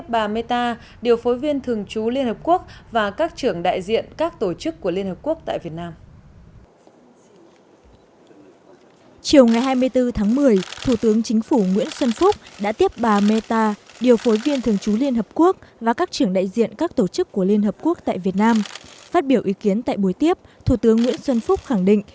phát biểu ý kiến tại buổi tiếp thủ tướng nguyễn xuân phúc khẳng định